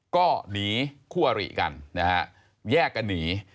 ก็หนีคู่อริกันนะฮะแยกกันหนี